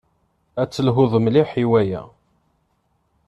Ad telhuḍ mliḥ i waya.